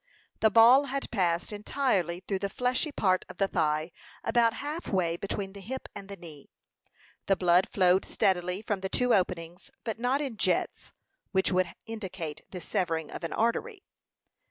The ball had passed entirely through the fleshy part of the thigh, about half way between the hip and the knee. The blood flowed steadily from the two openings, but not in jets, which would indicate the severing of an artery.